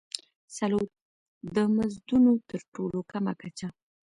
څلورم: د مزدونو تر ټولو کمه کچه.